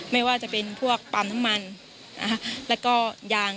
ไม่ว่าจะเป็นพวกปัมทั้งมันและก็ยาง